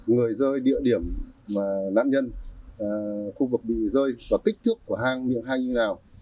người rơi địa điểm nạn nhân khu vực bị rơi và tích thước của hàng miệng hàng như thế nào